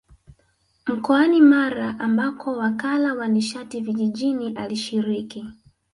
Mkoani Mara ambako Wakala wa Nishati Vijijini alishiriki